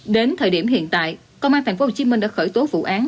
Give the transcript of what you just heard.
đến thời điểm hiện tại công an tp hcm đã khởi tố vụ án